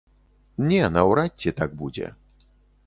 Не, наўрад ці так будзе.